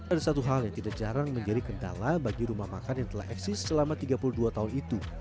ada satu hal yang tidak jarang menjadi kendala bagi rumah makan yang telah eksis selama tiga puluh dua tahun itu